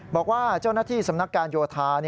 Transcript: บอกว่าเจ้าหน้าที่สำนักการโยธา